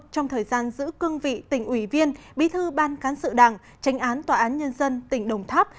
trong thời gian giữ cương vị tỉnh ủy viên bí thư ban cán sự đảng tránh án tòa án nhân dân tỉnh đồng tháp